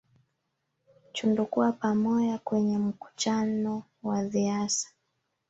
Chundokuwa pamoya kwenye mkuchano wa dhiasa.